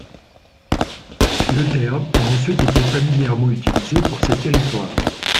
Le terme a ensuite été familièrement utilisé pour ces territoires.